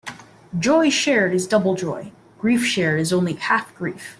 Joy shared is double joy; grief shared is only half grief.